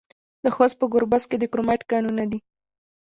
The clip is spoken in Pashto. د خوست په ګربز کې د کرومایټ کانونه دي.